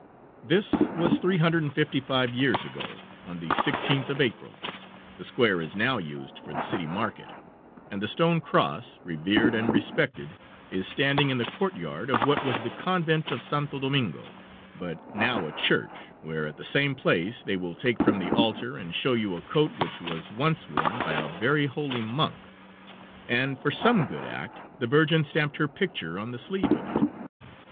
This was three hundred and fifty five years ago, on the 16th of April. The square is now used for the city market, and the stone cross, revered and respected, is standing in the courtyard of what was the convent of Santo Domingo, but now a church, where at the same place they will take from the altar and show you a coat which was once worn by a very holy monk, and for some good act the Virgin stamped her picture on the sleeve of it.